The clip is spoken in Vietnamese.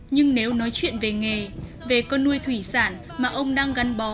nhưng nếu nói chuyện về nghề về con nuôi thủy sản mà ông đang gắn bó